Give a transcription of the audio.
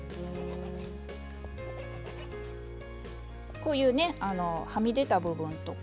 こういうねはみ出た部分とか。